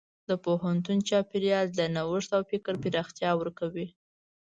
د پوهنتون چاپېریال د نوښت او فکر پراختیا ورکوي.